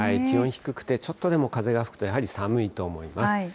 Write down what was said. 気温低くて、ちょっとでも風が吹くと、やはり寒いと思います。